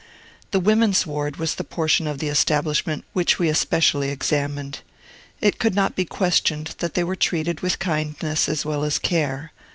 The women's ward was the portion of the establishment which we especially examined. It could not be questioned that they were treated with kindness as well as care.